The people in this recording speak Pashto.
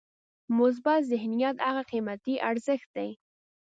مثبت ذهنیت هغه قیمتي ارزښت دی.